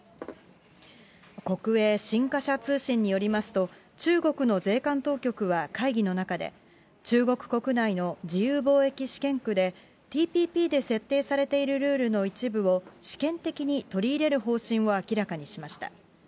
国営新華社通信によりますと、中国の税関当局は会議の中で、中国国内の自由貿易試験区で、ＴＰＰで設定されているルールの一部を試験的に取り入れる方針を明らかにしました。